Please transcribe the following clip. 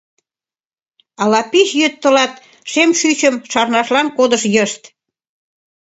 Ала пич йӱд тылат шем шӱчым шарнашлан кодыш йышт?